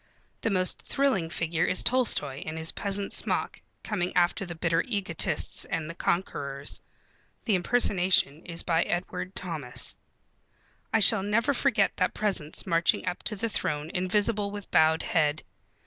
The most thrilling figure is Tolstoi in his peasant smock, coming after the bitter egotists and conquerors. (The impersonation is by Edward Thomas.) I shall never forget that presence marching up to the throne invisible with bowed head.